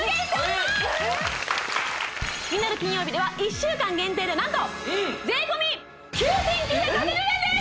「キニナル金曜日」では１週間限定で何と税込９，９８０円です！